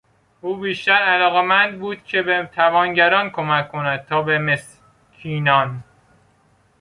او بیشتر علاقمند بود که به توانگران کمک کند تا به مسکینان